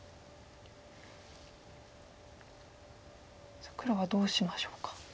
さあ黒はどうしましょうか？